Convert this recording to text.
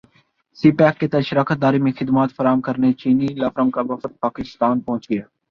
سی pack کے تحت شراکت داری میں خدمات فراہم کرنے چینی لا فرم کا وفد پاکستان پہنچ گیا